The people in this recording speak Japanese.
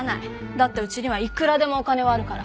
だってうちにはいくらでもお金はあるから。